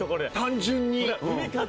単純に。